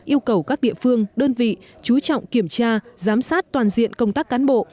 yêu cầu các địa phương đơn vị chú trọng kiểm tra giám sát toàn diện công tác cán bộ